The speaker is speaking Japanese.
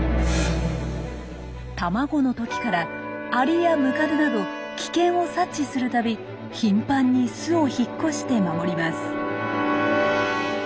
卵の時からアリやムカデなど危険を察知するたび頻繁に巣を引っ越して守ります。